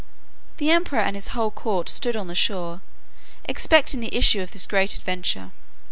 The emperor and his whole court stood on the shore, expecting the issue of this great adventure.